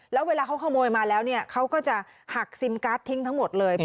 แล้วเวลาเขาขโมยมาแล้วเนี่ยเขาก็จะหักซิมการ์ดทิ้งทั้งหมดเลย